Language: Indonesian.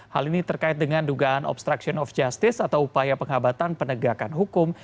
hal ini terkait dengan dugaan obstruction of justice atau upaya penghabatan penegakan hukum